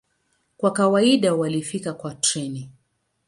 Kwa kawaida walifika kwa treni.